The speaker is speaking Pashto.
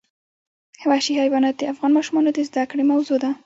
وحشي حیوانات د افغان ماشومانو د زده کړې موضوع ده.